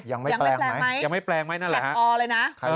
ยังไม่แปลงไหมยังไม่แปลงไหมนั่นแหละ